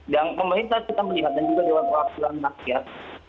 dan pemerintah kita melihat dan juga diwakilkan rakyat